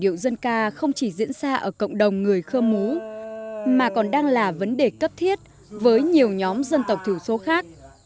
điệu dân ca không chỉ diễn ra ở cộng đồng người khơ mú mà còn đang là vấn đề cấp thiết với nhiều nhóm dân tộc thiểu số khác